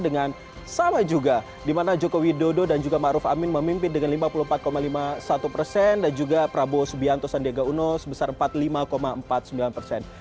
dengan sama juga dimana joko widodo dan juga ⁇ maruf ⁇ amin memimpin dengan lima puluh empat lima puluh satu persen dan juga prabowo subianto sandiaga uno sebesar empat puluh lima empat puluh sembilan persen